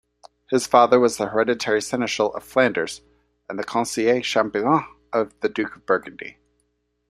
His father was hereditary seneschal of Flanders and "conseiller-chambellan" of the Duke of Burgundy.